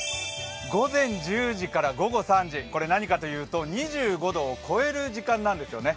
午前１０時から午後３時これは何かというと２５度を超える時間なんですよね。